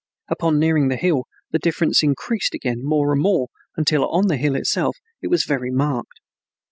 Upon nearing the hill the difference increased again more and more until on the hill itself it was very marked.